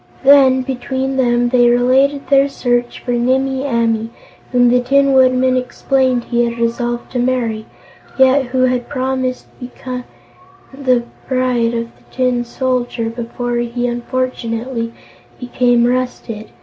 Then, between them, they related their search for Nimmie Amee, whom the Tin Woodman explained he had resolved to marry, yet who had promised to become the bride of the Tin Soldier before he unfortunately became rusted.